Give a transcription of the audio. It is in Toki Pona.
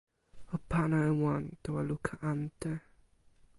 o pana e wan tawa luka ante.